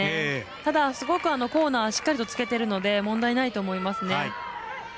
ただ、すごくコーナーしっかりと突けているので問題ないと思いますね。